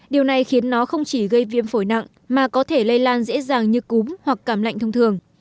điều này khiến nó không chỉ gây viêm phổi nặng mà có thể lây lan dễ dàng như cúm hoặc cảm lạnh thông thường